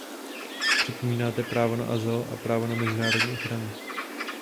Připomínáte právo na azyl, právo na mezinárodní ochranu.